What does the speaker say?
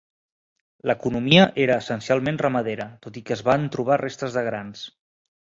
L'economia era essencialment ramadera, tot i que es van trobar restes de grans.